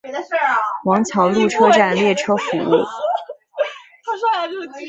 王桥路车站列车服务。